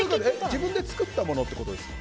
自分で作ったものってことですか？